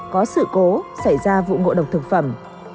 có sự cố xảy ra vụ ngộ độc thực phẩm